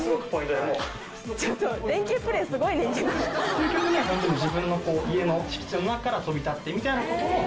究極にはホントに自分の家の敷地の中から飛び立ってみたいなことも。